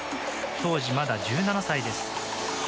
当時まだ１７歳です。